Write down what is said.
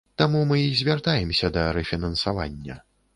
Таму мы і звяртаемся да рэфінансавання.